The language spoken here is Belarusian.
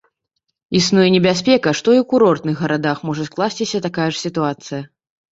Існуе небяспека, што і ў курортных гарадах можа скласціся такая ж сітуацыя.